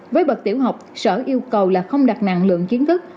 với bậc tiểu học sở yêu cầu là không đặt năng lượng kiến thức